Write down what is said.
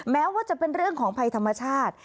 แม้ว่าจะเป็นเรื่องของภัยธรรมชาติ